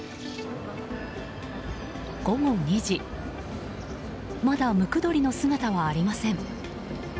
午後２時まだムクドリの姿はありません。